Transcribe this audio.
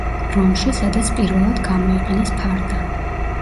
რომში, სადაც პირველად გამოიყენეს ფარდა.